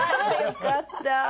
よかった。